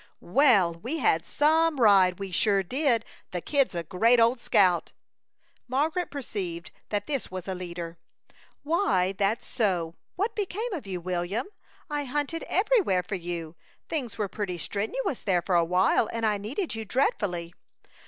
"Well, we had some ride, we sure did! The Kid's a great old scout." Margaret perceived that this was a leader. "Why, that's so, what became of you, William? I hunted everywhere for you. Things were pretty strenuous there for a while, and I needed you dreadfully."